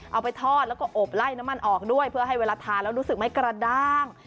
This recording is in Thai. เอาไปทอดแล้วก็อบไล่น้ำมันออกด้วยเพื่อให้เวลาทานแล้วรู้สึกไม่กระด้าง